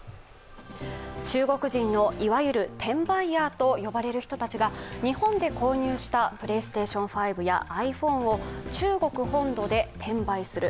中国人のいわゆる転売ヤーと呼ばれる人たちが日本で購入したプレイステーション５やｉＰｈｏｎｅを中国本土で転売する。